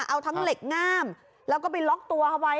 เอาทั้งเหล็กงามแล้วก็ไปล็อกตัวเขาไว้